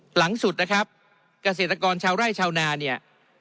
หลังสุดนะครับเกษตรกรชาวไร่ชาวนาเนี่ย